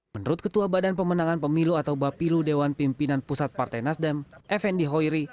menurut ketua badan pemenangan pemilu atau bapilu dewan pimpinan pusat partai nasdem fnd hoiri